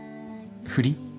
ふり？